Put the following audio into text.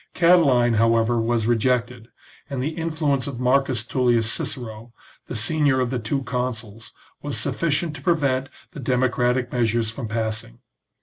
Catiline, however, was re jected, and the influence of Marcus TuUius Cicero, the senior of the two new consuls, was sufficient to prevent the democratic measures from passing.